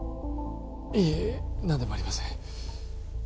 いえ何でもありません